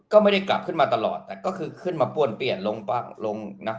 ก็ไม่ได้กลับขึ้นมาตลอดแต่ก็คือขึ้นมาป้วนเปลี่ยนลงบ้างลงนะ